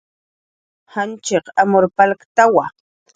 Janchiq amur putkawa